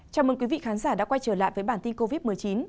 chào mừng quý vị khán giả đã quay trở lại với bản tin covid một mươi chín